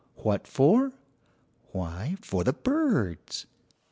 What for? Why, for the birds.